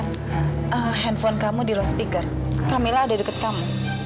telepon kamu di los degas kamila ada deket kamu